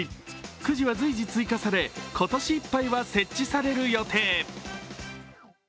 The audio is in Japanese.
くじは随時追加され、今年いっぱいは設置される予定。